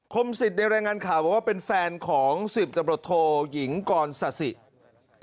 คมศิษย์ในรายงานข่าวว่าเป็นแฟนของสีบทะบดโทยิ้งก่อนศาสี